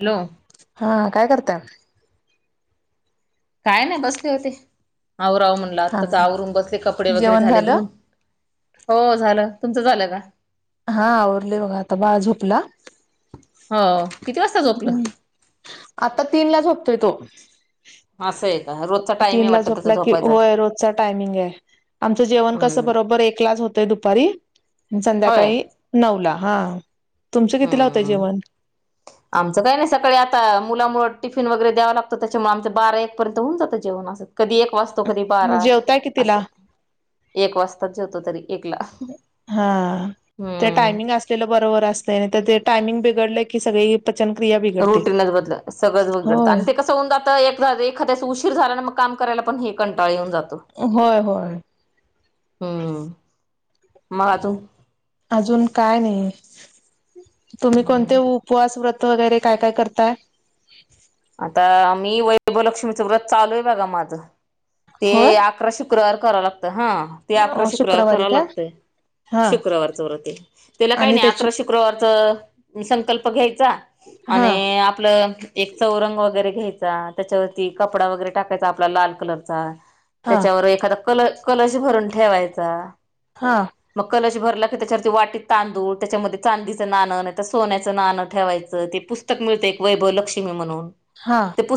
Hello हा काय करताय काय नाही बसले होते आवराव म्हणला हा त्याचा आवरून बसले कपडे वगैरे जेवण झाले झालं? धुून हो झालं तुमचं झालं का हा आरले बघा आता बा झोपला हो किती वाजता झोपलं आता तीन ला झोपतोय तो अस असच तीन ला झोपला की होय रोजचा टायमिंग आहे आमचं जेवण कसं हम्म बरोबर एकलाच होतं ते दुपारी होय संध्याकाळी नऊला हा तुमचं किती लावतंय हम्म जेवण आमचं काही नाही सकाळी आता मुलामुळेळ टिफिन वगैरे द्याव लागतो त्याच्यामुळे आमचं बारा एक पर्यंत होऊन जातं जेवण असं कधी एक वाजतो कधी बारा जेवताय कितीला? असं एक वाजताच जेतो तरी एकला हा ते हम्म टायमिंग असलेलं बरोबर असतंय तर ते टायमिंग बिघडलं की सगळी पचनक्रिया बिघडते. रुटीनच बदल सगळंच बघडतं होय आणि ते कसं होऊन आता एखाद्या उशीर झाला आणि मग काम कराला पण हे कंटळ येऊन जातो होय होय हम्म मग अजून अजून काय नाही तुम्ही कोणते उपवास व्रत वगैरे काय काय करताय आता मी वैभलक्ष्मीचं व्रत चालू आहे बघा माझं ते होय अकरा शुक्रवार कराव लागत हा ते अकरा अ शुक्रवार शुक्रवारी कराव का लागतय हा शुक्रवार चे वृत्त त्याला काय आणि नाही त्याची अकरा शुक्रवारचं संकल्प घ्यायचा हा आणि आपलं एक वरे घ्यायचा त्याच्यावरती कपडा वगैरे टाकायचा आपला लाल कलरचा हा त्याच्यावर एखा कलाश भरून ठेवा हा मग कलश भर त्याच्यावर वाटी तांदूळ त्याच्या चांदीच ना सोन्याच नां ठेवायचं ते पुस्तक वक्ष हा म्हणस्त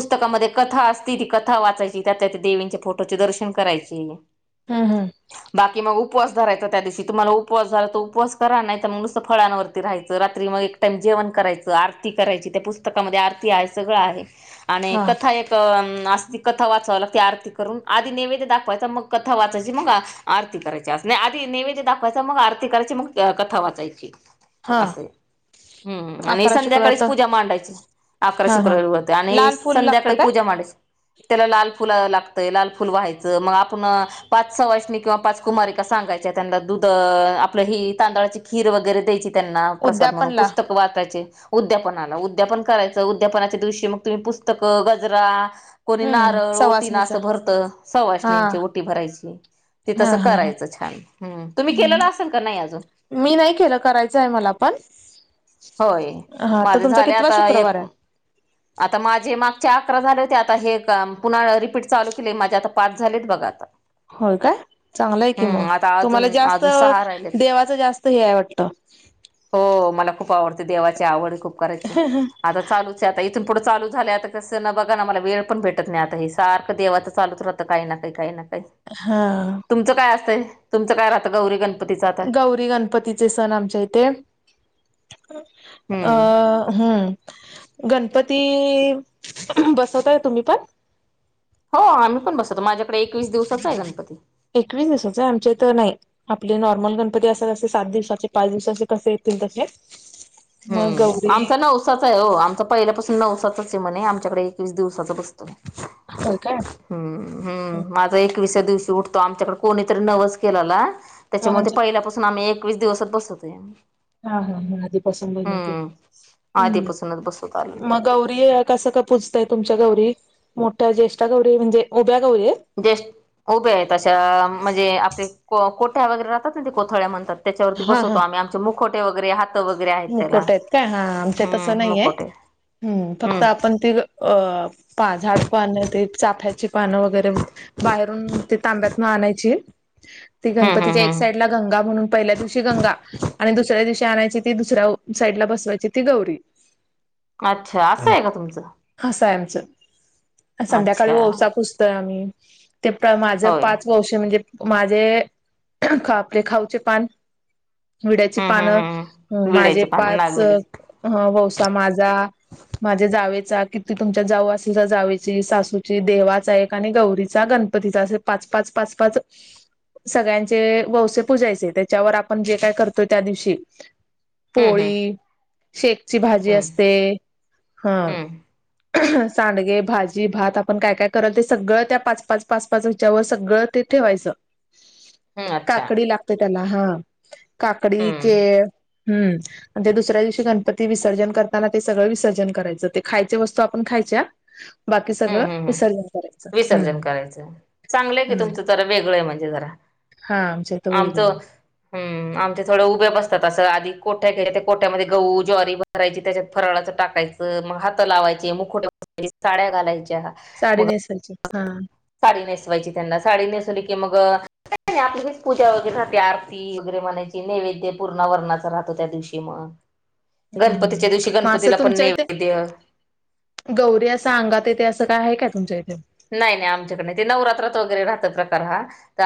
कथा असती ती कथा वाचायची त्यातल्या त्या देवींच्या फोटोचे दर्शन करायचे हम्म हम्म बाकी मग उपवास रायचा त्या दिवशी तुम्हाला उपवास झाला तर उपवास करा नाही तर मग नुसतं फळांवरती राहायं रात्री मग एक टाम ज ेव करायच आरती करायची त्या पुस्तकामध्ये आरती आहे सगळं आहे आणि हा कथा एक ती कथा वाचाव लागते आरती करून आधी नेवे्द दाखवायच मग कथा वाचायची मग आरती करायची अस आधी नैवेद्य दाखवायचा मग आरती करायची मग कथा वाचायची हा असं हम्म आणि अकरा शुक्रवार संध्याकाळीच तर पूजा मांडायची अकरा हा हा शुक्रारी होते आणि लाल फुल लागतं संध्याकाळी काय पूजा मच त्याला लाल फुल लागतय लाल फुल व्हायचं मग आपण पाच सवाषणी किंवा पाच कुमारी सांगायच्या त्यांना दुध आपलं ही तांदळाची खीर वगैरे द्यायची त्यांना प्रसाद म्हणून उद्यापनला पुस्तक वाचायचे उद्यापनाला उद्यापन करायचे उद्यापनाच्या दिवशी मग तुम्ही पुस्तकं गजरा कोणी हम्म नारळ ओटी ना सवासणीच असं भरतं हा सवाषणींची ओटी भरायची त हा तसं हा ह करायचं छान हम् तुम्ही केलेलं असेल का नाही अजून मी नाही केलं करायचं आहे मला पण होय हा तर माझे तुमचा झाले कितवा आता शुक्रवार एक आहे आता माझे माग च अकरा झाले होते आता हे पुन्हा रिपीट चालू केले माझे आता पाच झालेत बघा आता होय काय चांगलंय कि म हम्म आता तुम्हाला अजून जास्त अजून सहा राहिलेत. देवाचं जास्त हे आहे वाटतं ह हो मला खूप आवडते देवाची आवड खूप करायची आता चालूचे आता थून पुढं ल झालं आता कस न बघा मला वे पण भेटत नाही आता हे सारखं देवाचंचालच राहत काही नाही काही नाही का हा तुमचं काय असतंय तुमचं काय राहतं गौरी गणपतीचं आता गौरी गणपतीचे सण आमच्या इथे अ हम्म. हम्म गणपती बसवताय तुम्ही पण हो आम्ही पण बसतो माझ्याकडे एकवीस दिवसाचा आहे गणपती एकवीस दिवसाचे आहे आमचे तर नाही आपले नॉर्मल गणपती असं कसे सात दिवसाचे पाच दिवसाचे कसे तन त खे हम् आमचा नवसाच आहे हो आमचा पहिल्यापासून नवसाातच आहे म्हणे आमच्याकडे एकवीस दिवसाच बसत होय काय हम्म हम्म माझा एकविसाच्या दिवशी उठतो आमच्याकडे कोणी नवस केलाला त्याच्यामुळे अक्षरांच्या पहिल्यापासून आम्ही एकवीस दिवसात बसतय हा हा म आधी पस ब नव्हते हम्म आधीपासूनच बसवत आलेले मग गौरी कसं का पुूजतय तुमच्या गौरी मोठ्या ज्येष्ठ गौरी म्हणजे उभ्या गौरी आहेत जे उभे आहे तशा म्हणजे आपले कोठ्या वगैरे राहतात ना ते कोथळ्या म्हणतात त्याच्यावरती हा हा बसतो आम्ही आमचे मुोटे वगैरे ह मुकोट आहेत काय हा आमच्या तसं हम्म नाहीय मुकोटे हम्म फक्त आपण ती अ पा झाड पा आणि ते चाफ्या पानं वगैरे बाहेरून ते तांब्यातन आणायची ती हम्म गणपतीच्या हम्म एक साइड ला हम्म गंगा म्हणून पहिल्या दिवशी गंगा आणि दुसऱ्या दिवशी आणायची त दुसऱ्या साईड ला बसवायची ती गौरी अच्छा असं आहे का तुमचं क अन संध्याकाळी अच्छा ओवसा पुजतोय आम्ही. ते प्र माझं होय पाच वंश म्हणजे माझे आपले खाऊचे पान विड्याची हम्म हम्म पानं हम्म माझे विड्याची पानं पाच अ नागवेलीची ह ववसा माझा माझ्या जावेचा, किती तुमच्या जाऊ असेल तर जावेची सासूची देवाचा एक आणि गौरीचा गण गणपतीचा असं पाच पाच पाच पाच सगळ्यांचे वौसे पुजायचे, त्याच्यावर आपण जे काय करतो त्या दिवशी. हम्म हम्म पोळी, शेकची भाजी हम्म असते हा हम्म सांडगे, भाजी, भात आपण काय काय कराल ते सगळं त्या पाच पाच पाच पाच हेच्यावर सगळं ते ठेवायचं, हम्म अच्छा काकडी लागते त्याला हा. काकडी, हम्म. केळ. हम्म, अन ते दुसऱ्या दिवशी गणपती विसर्जन करताना ते सगळं विसर्जन करायचं ते खायचे वस्तू आपण खा खायच्या. बाकी सगळं हम्म हम्म हम्म. विसर्जन करायचं, विसर्जन हम्म करायचं. चांगलंय की हम्म तुमचं जरा वेगळं आहे म्हणजे जरा. हा आमच्या इथं वेगळं आहे. आमचं हम्म, आमचे थोडे उभे बसतात असं आधी कोठ्या घ्यायचे त्या कोठ्यामध्ये गहू, ज्वारी भरायची त्याच्यात फराळ च टाकायचं, मग हात लावायचे मुकुटं [unintelligible] साड्या घालायच्या. साडी मग नेसायची हा. साडी नेसवायची त्यांना साडी नेसवली की मग अ काय नाय आपलीच पूजा वगैरे राहते, आरती वगैरे म्हणायची नैवेद्य पुरणा वरनाचा राहतो त्या दिवशी मग. हम्म गणपतीच्या दिवशी मग असं गणपतीला पण तुमच्या इथे नैवेद्य. गौरी असं अंगात येेते असं काय आहे काय तुमच्या इथे? नाही नाही आमच्याकडे नाही ते नवरात्रात वगैरे राहतं प्रकार हा.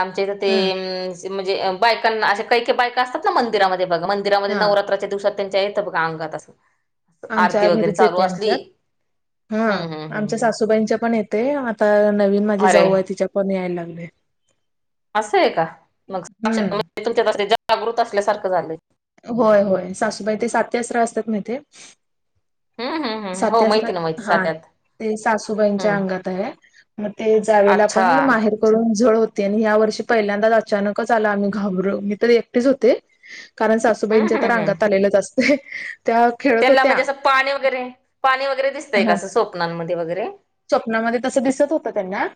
आमच्या इथं हा ते, म्हणजे बायकांना अशे काही काही बायका असतात ना मंदिरामध्ये बघा मंदिरामध्ये हा नवरात्राच्या दिवसात त्यांच्या येतं बघा अंगात असं. आरती आमच्या वगैरे घरीच चालू येते असली आमच्यात, हा हम्म हम्म हम्म आमच्या हम्म सासूबाईंच्या पण ये ते आता नवीन माझी अरे जाऊ आहे तिच्या पण याय लागले. असंय का? मग हम्म सक्षात [unintelligible] तुमच्यात जागृत असल्यासारखं झालंय. होय होय, सासूबाई ते सातीआसरं असतात ना तेे. हम्म हम्म हम्म हो सातीआसरं माहिती ना माहिती हा. साध्यात ते सासूबाईंच्या हम्म अंगात आहे, मग ते जावेला अच्छा पण माहेर करून जळ होते, आणि ह्या वर्षी पहिल्यांदाच अचानकच आला आम्ही घाबर मी तर एकटीच होते. कारण हम्म सासूबाईंच्या तर हम्म हम्म अंगात आलेलेच असतंय, त्या खेळत त्यांना होत्या. म्हणजे असं पाणी वगैरे पाणी वगैरे दिसतंय का हा, असं स्वप्नांमध्ये वगैरे स्वप्नामध्ये तसं दिसत होतं त्यांना.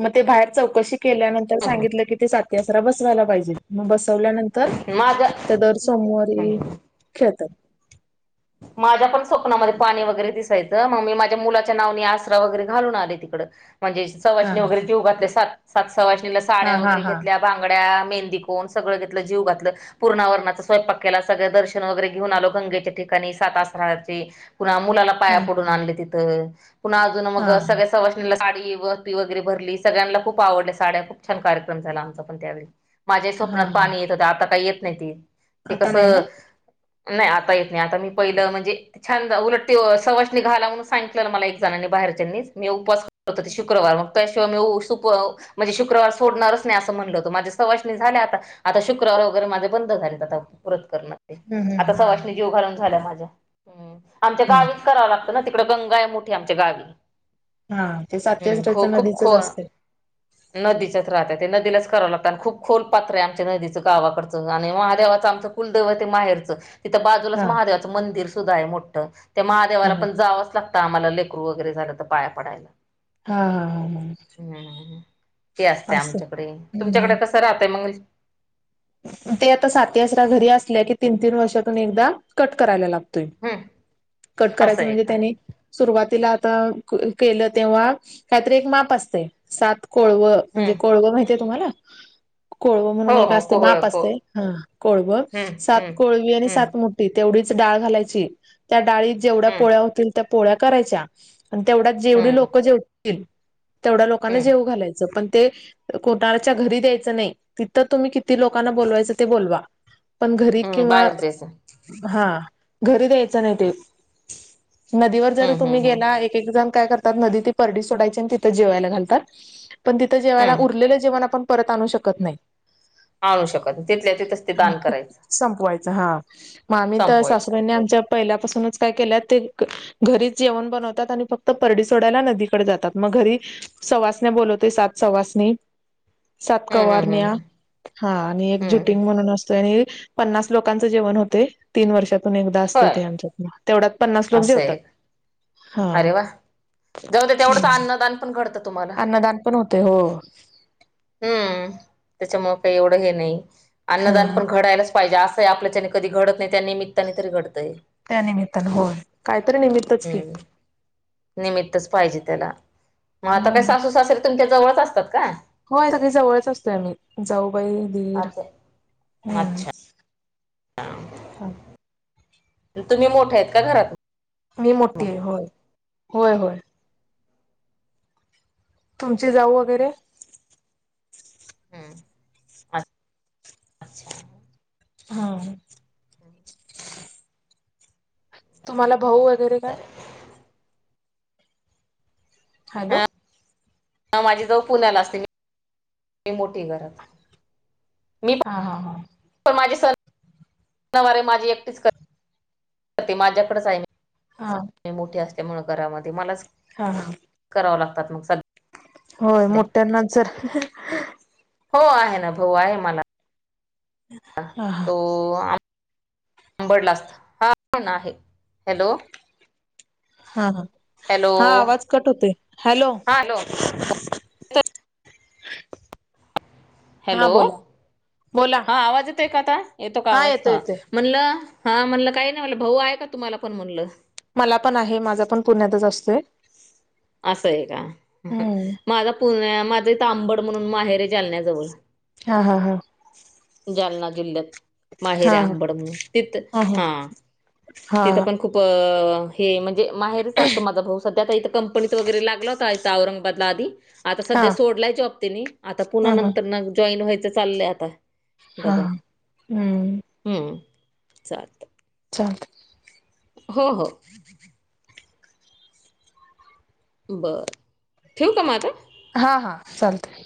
मग ते बाहेर चौकशी केल्यानंतर हम्म सांगितलं की ते साती‌आसरं बसवायला पाहिजेत म बस वल्यानंतर हम्म माझं त्या दर सोमवारी हम्म खेळतात. माझ्या पण स्वप्नामध्ये पाणी वगैरे दिसायचं मग मी माझ्या मुलाच्या नावनी आसरा वगैरे घालून आले तिकडं. म्हणजे हा सवासणी वगैरे जेऊ घातले सात, सात सवासणीला हा साड्या हा वगैरे हा घेतल्या बांगड्या मेहंदीकोण सगळं घेतलं जेऊ घातलं, पुरणा वरणाचा स्वयंपाक केला, सगळं दर्शन वगैरे घेऊन आलो गंगेच्या ठिक कानी सात आसराचे, पुन्हा मुलाला पाया हा पडून आणले तिथं. पुन्हा अजून मग हा सगळ्या सवाशणीला साडी वटी वगैरे भरली, सगळ्यांना खूप आवडल्या साड्या खूप छान कार्यक्रम झाला आमचा पण त्यावेळी. माझ्या हा स्वप्नात हा पाणी येत होतं आता काय येत नाही ती, ते आता नाही कसं ना नाही आता येत नाय, आता मी पहिलं म्हणजे, ते छान उलट ते सवासनी घाला म्हणून सांगितलं मला एक जणानी बाहेरच्यांनीच मी उपवास होतं‌ ते शुक्रवार मग त्याशिवाय मी उ सुप म्हणजे शुक्रवार सोडणारच नाही असं म्हणलं‌ होतं, माझ्या सवाष्णी झाल्या आता आता शुक्रवार वार वैगेरे माझे बंद झालेत आता व्रत करणं ते, हम्म आता हम्म हा सावशनी झाल्या माझ्या ह्म्म, आमच्या ह गावीच करावं लागतं ना तिकडे गंगा आहे मोठी आमच्या गावी. हा ते साती हम्म, आसऱ्याच खो खूप नदीचच खो असते नदीच्याच राहतात. ते नदीलाच करावं लागतं आणि खूप खोल पात्र आहे आमच्या नदीचं गावाकडचं आणि महादेवाचं आमचं कुलदैवत माहेर तिथं बाजूलाच हा महादेवाचं मंदिर सुद्धा आहे मोठं त्या हा महादेवाला हा पण जावंच लागत आम्हाला लेकरू वगैरे झालं तर पाया पडायला. हा हा हा हा. हम्म ते असतं आमच्याकडे तुमच्याकडे कसं राहतय मंग ते आता साती आसरा घरी असल्या की तीन तीन वर्षातून एकदा कट करायला लाग हम्म कट करायच असं आहे म्हणजे का त्यानी सुरुवातीला केलं तेव्हा काहीतरी एक माप असते सात कोळवं म्हणजे हम्म कोळवं माहितीये तुम्हाला कोळवं हो म्हणून एक हो अस ते कोहळ माप को असतय कोळव हम्म सात हम्म कोळवी आणि हम्म सात मुठी तेवढीच- डाळ घालायची त्या डाळीत जेवढ्या हम्म पोळ्या होतील त्या पोळ्या करायच्या आणि तेवढ्या जेवढी हम्म लोक जेवतील तेवढ्या लोकांना हम्म जेव घालायचं पण ते कोटारच्या घरी द्यायचं नाही तिथं तुम्ही किती लोकांना बोलवायचं ते बोलवा. पण घरी हम्म किंवा बाहेरचेच हम्म हा घरी द्यायचं नाही ते नदीवर जर तुम्ही हम्म हम्म गेला एक एक जण काय करतात नदी ते परडी सोडायची आणि तिथ ते जेवायला घालतात पण तिथं जेवायला हम्म उरलेलं जेवण आपण का परत आणू शकत नाही, आणू शकत नाही. तिथल्या तिथंच ते दान करायचं संपवायचं हा. मग आम्ही तर संपवायचं सासूबाईंनी आमच्या पहिल्यापासूनच काय केल्या ते घरीच जेवण बनवतात आणि फक्त परडी सोडायला नदीकडे जातात मग घरी सवासण्या बोलवते सात सवासणी सात हम्म हम्म हम्म कवारण्या हम्म हा आणि एक हम्म. जुटिंग म्हणून अस आणि पन्नास लोकांचं जेवण होते तीन वर्षातून एकदा असते होय. ते आमच्यात तेवढ्यात पन्नास लोक असं जेवतात. आहे. हा. अरे वा. जाउदे तेवढंच हम्म. अन्नदान पण घडतं तुम्हाला. अन्नदान पण होते हो हम्म, त्याच्यामुळे काही एवढं हे नाही हा अन्नदान पण घडायलाच पाहिजे असं आहे आपल्याच्यानी कधी घडत नाही त्या निमित्ताने तरी घडतंय. त्यानमित्तान होय काहीतरी निमित्तच की. हम्म. निमित्तच पाहिजे त्याला मग आता काही हम्म. सासू सासरीे तुमच्या जवळच असतात. का? होय, सगळी जवळच असतोय आम्ही जाऊबाई, दीर अच्छा. हम्म. अच्छा. तुम्ही मोठ्या आहेत का घरात? मी मोठी होय होय होय. तुमची जाऊ वगैरे? [inaudible] अच्छा. हा. [inaudible] तुम्हाला भाऊ वगैरे का? हॅलो. हा माझी जाऊ पुण्याला असते मी मोठी घरात. मी हा हा हा पण पण माझी सणवार माझी एकटीच करते ते माझ्याकडेच आहे हा मी मोठीे असल्यामुळे घरामध्ये ते मलाच हा हा. कराव लागतात सग होय, मोठ्यांना जर हो आहे ना भाऊ आहे मला. हा हा तो आ आबडला असत हाण आहे हॅलो. हा हा हॅलो हा, आवाज कट होते हॅलो. हा हॅलो हा हॅलो बोला. बोला हा आवाज येतोय का आता येतो का आवाज येतोय हा येतोय म्हणलं हां म्हणलं, काही नाही म्हटलं भाऊ आहे का तुम्हाला पण म्हणलं मला पण आहे, माझा पण पुण्यातच असतोय. असं आहे का? हम्म माझ पुण्या माझ तांबड म्हणून माहेर आहे जालण्याजवळ. हा. हा. हा. जालना जिल्ह्यात. माहेरे हा हा आंबड म्ह तिथ हा हा तिथं पण खूप अ हे म्हणजे माहेरच असतो, माझा भाऊ सध्या इथं कंपनीच वगैरे लागला होता, इथ औरंगाबादला आधी आता हा हा. सध्या सोडलाय जॉब तनी आता पुन्हा हा नंतर न जॉईन व्हायचं चाललंय आता हा डबल हम्म, सात, [unintelligible] हो-हो, बर ठेव का माता, हा-हा चालतय,